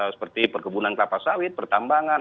seperti perkebunan kelapa sawit pertambangan